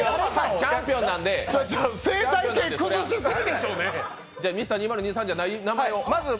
チャンピオンなんで、Ｍｒ．２０２３ではない名前を。